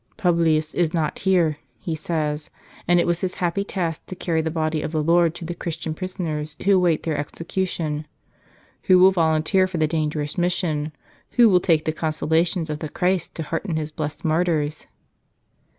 "Publius is not here," he says, "and it was his happy task to carry the Body of the Lord to the Christian prisoners who await their execution. Who will vol¬ unteer for the dangerous mission? Who will take the 98 A Modern Tarsicius consolations of the Christ to hearten His blessed martyrs?"